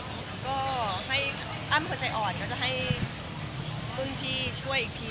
ก็ให้อ้ามคนใจอ่อนก็จะให้ลุงพี่ช่วยอีกที